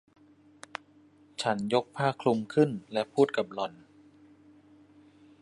ฉันยกผ้าคลุมขึ้นและพูดกับหล่อน